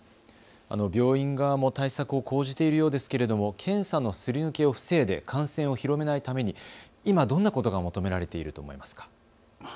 病院側も対策を講じているようですけれども検査のすり抜けを防いで感染を広めないために今、どんなことが求められていると思いますか。